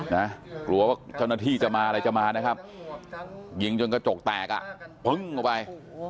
กลัวว่าเจ้าหน้าที่จะมาอะไรจะมานะครับยิงจนกระจกแตกอ่ะพึ่งออกไป